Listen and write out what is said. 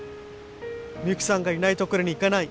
ミユキさんがいない所に行かない。